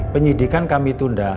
penyidikan kami tunda